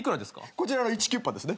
こちらイチキュッパですね。